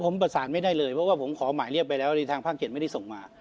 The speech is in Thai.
ผมประสานไม่ได้เลยเพราะว่าผมขอหมายเรียกไปแล้วในทางภาค๗ไม่ได้ส่งมา